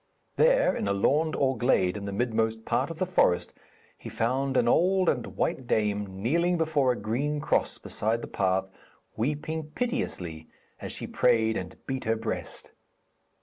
There, in a laund or glade in the midmost part of the forest, he found an old and white dame, kneeling before a green cross beside the path, weeping piteously as she prayed and beat her breast.